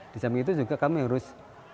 di samping itu juga kami harus